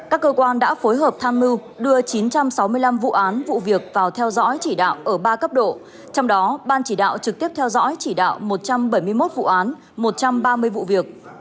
các cơ quan đã phối hợp tham mưu đưa chín trăm sáu mươi năm vụ án vụ việc vào theo dõi chỉ đạo ở ba cấp độ trong đó ban chỉ đạo trực tiếp theo dõi chỉ đạo một trăm bảy mươi một vụ án một trăm ba mươi vụ việc